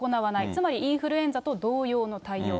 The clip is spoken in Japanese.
つまり、インフルエンザと同様の対応。